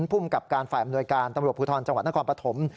ภูมิกับการฝ่ายอำนวยการตำรวจภูทรจังหวัดนครปฐม